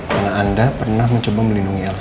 karena anda pernah mencoba melindungi el salah